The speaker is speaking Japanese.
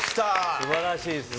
すばらしいですね。